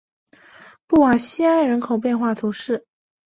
布瓦西埃人口变化图示